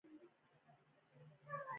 کوچیان د افغانستان د بشري فرهنګ برخه ده.